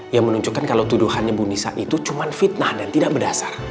yang menunjukkan kalau tuduhannya bu nisa itu cuma fitnah dan tidak berdasar